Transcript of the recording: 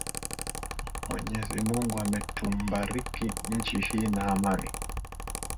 mwenyezi mungu ametumbariki nchi hii na amani